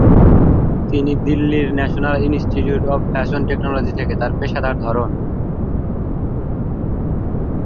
তিনি দিল্লির national institute of fashion technology থেকে তার পেশাদার ধরন।